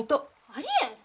ありえん！